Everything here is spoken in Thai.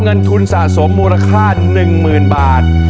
เงินทุนสะสมมูลค่า๑๐๐๐บาท